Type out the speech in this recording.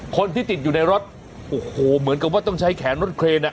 คนที่ติดอยู่ในรถโอ้โหเหมือนกับว่าต้องใช้แขนรถเครนอ่ะ